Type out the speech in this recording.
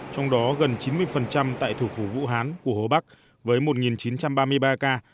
trong đó gần chín mươi tại thủ phủ vũ hán của hồ bắc với một chín trăm ba mươi ba ca